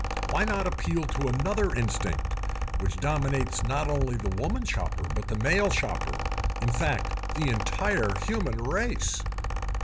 Why not appeal to another instinct; which dominates not only the woman shopper but the male shopper—in fact, the entire human race?"